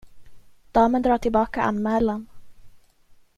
Damen drar tillbaka anmälan.